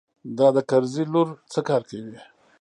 دا د کرزي لور څه کار کوي.